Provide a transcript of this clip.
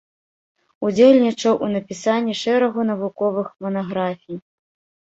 Удзельнічаў у напісанні шэрагу навуковых манаграфій.